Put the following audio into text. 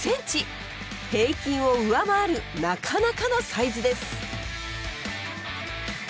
平均を上回るなかなかのサイズです。